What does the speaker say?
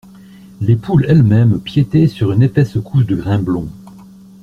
Les poules elles-mêmes piétaient sur une épaisse couche de grains blonds.